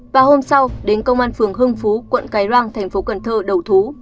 và hôm sau đến công an phường hưng phú quận cái răng thành phố cần thơ đầu thú